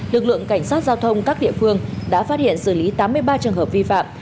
lực lượng cảnh sát giao thông các địa phương đã phát hiện xử lý tám mươi ba trường hợp vi phạm